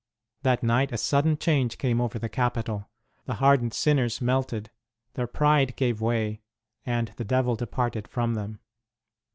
That night a sudden change came over the capital. The hardened sinners melted, their pride gave way, and the devil departed from them.